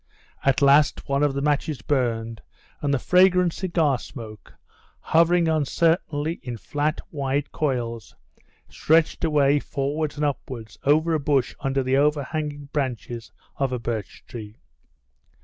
At last one of the matches burned, and the fragrant cigar smoke, hovering uncertainly in flat, wide coils, stretched away forwards and upwards over a bush under the overhanging branches of a birch tree.